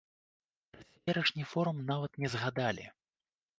Пра цяперашні форум нават не згадалі.